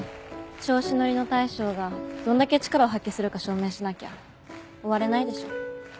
調子乗りの大将がどんだけ力を発揮するか証明しなきゃ終われないでしょ。